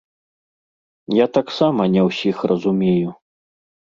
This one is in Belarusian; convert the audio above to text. Я таксама не ўсіх разумею.